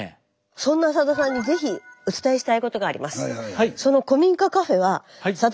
そんなさださんに是非お伝えしたいことがあります。